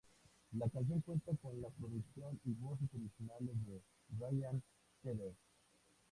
La canción cuenta con la producción y voces adicionales de Ryan Tedder.